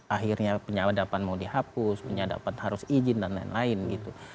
akhirnya penyadapan mau dihapus penyadapan harus izin dan lain lain gitu